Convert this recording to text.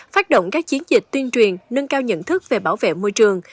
phát động các chiến dịch tuyên truyền nâng cao nhận thức về bảo vệ môi trường